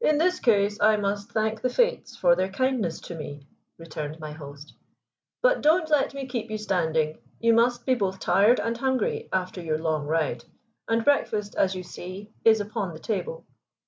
"In this case I must thank the Fates for their kindness to me," returned my host. "But don't let me keep you standing. You must be both tired and hungry after your long ride, and breakfast, as you see, is upon the table.